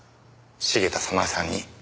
茂田早奈江さんに。